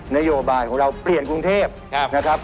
นโยบายของเราเปลี่ยนกรุงเทพนะครับ